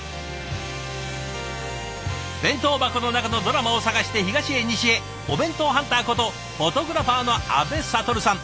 弁当箱の中のドラマを探して東へ西へお弁当ハンターことフォトグラファーの阿部了さん。